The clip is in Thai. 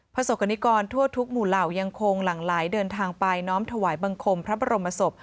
ประสบกรณิกรทั่วทุกหมู่เหล่ายังคงหลั่งไหลเดินทางไปน้อมถวายบังคมพระบรมศพ